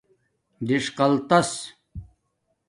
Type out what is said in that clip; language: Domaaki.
دݽقاتس